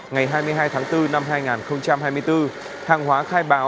ngày hai mươi hai tháng bốn năm hai nghìn hai mươi bốn hàng hóa khai báo